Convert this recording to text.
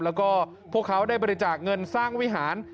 แล้วก็พวกเขาได้บริจาคเงินสร้างวิหาร